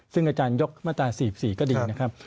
ซึ่งอาจารยกมาตรา๔๔ก็ดีนะครับ